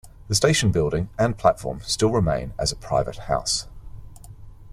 The station building and platform still remain as a private house.